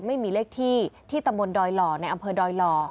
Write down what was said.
ไม่มีเลขที่ที่ตำบลดอยหล่อในอำเภอดอยหล่อ